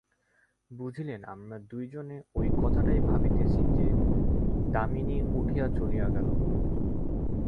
বুঝিলেন, আমরা দুইজনে ঐ কথাটাই ভাবিতেছি যে, দামিনী উঠিয়া চলিয়া গেল।